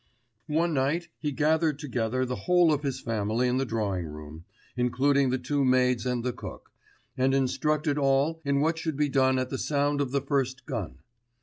One night he gathered together the whole of his family in the drawing room, including the two maids and the cook, and instructed all in what should be done at the sound of the first gun.